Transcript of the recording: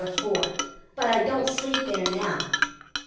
4, but I don't sleep there now.